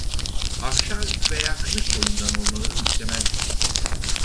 Afşar veya Kınık boyundan olmaları muhtemeldir.